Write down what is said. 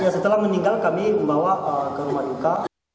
setelah meninggal kami membawa ke rumah duka